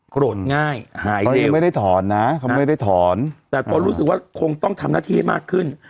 โกรธง่ายหายเร็วแต่ก็รู้สึกว่าคงต้องทำหน้าที่ให้มากขึ้น